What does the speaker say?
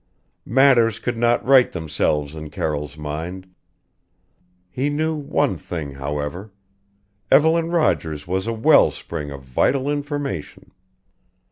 Matters could not right themselves in Carroll's mind. He knew one thing, however Evelyn Rogers was a wellspring of vital information.